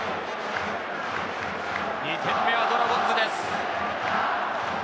２点目はドラゴンズです。